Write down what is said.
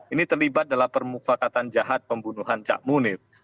ini terlibat dalam permufakatan jahat pembunuhan cak munir